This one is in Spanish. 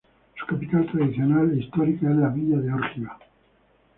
Su capital tradicional e histórica es la villa de Órgiva.